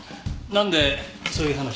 なんでそういう話に？